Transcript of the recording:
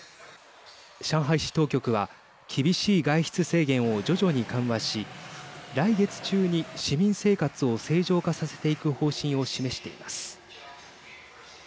上海市当局は厳しい外出制限を徐々に緩和し来月中に市民生活を正常化させていく方針を示しています。